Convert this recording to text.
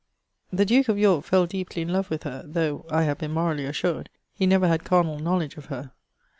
The duke of Yorke fell deepely in love with her, though (I have been morally assured) he never had carnall knowledge of her.